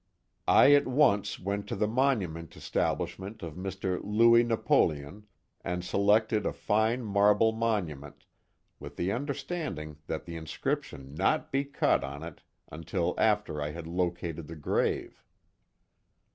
I at once went to the monument establishment of Mr. Louis Napoleon, and selected a fine marble monument, with the understanding that the inscription not be cut on it until after I had located the grave.